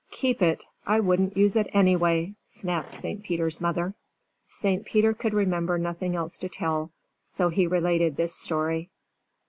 "Keep it. I wouldn't use it anyway," snapped St. Peter's mother. St. Peter could remember nothing else to tell, so he related this story.